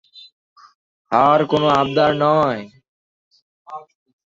আর কোনো আবদার নয়।